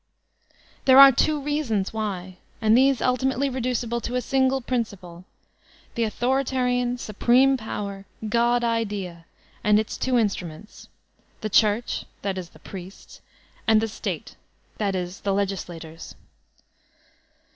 There are two reasons why, and these ultimately re ducible to a single principle — ^the authoritarian, supreme power, Gocf idea, and its two instruments, the Church — that is, the priests — and the State — ^that is, the legislators.